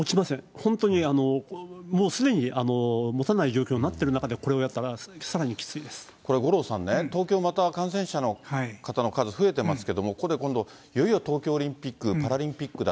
本当に、もうすでにもたない状況になっている中でこれをやったら、さらにこれ、五郎さんね、東京また感染者の方の数、増えてますけど、これ、今度、いよいよ東京オリンピック・パラリンピックだ。